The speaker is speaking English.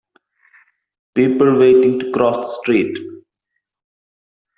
people waiting to cross the street